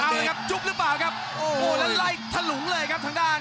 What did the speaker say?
เอาละครับจุ๊บหรือเปล่าครับโอ้โหแล้วไล่ถลุงเลยครับทางด้าน